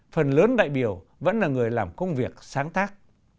phần lớn đại biểu vẫn là người làm công việc sáng tác